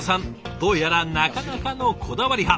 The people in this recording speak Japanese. どうやらなかなかのこだわり派。